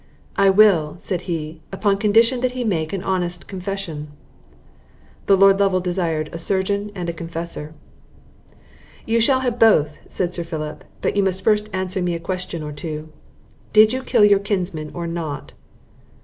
"I will," said he, "upon condition that he will make an honest confession." Lord Lovel desired a surgeon and a confessor. "You shall have both," said Sir Philip; "but you must first answer me a question or two. Did you kill your kinsman or not?"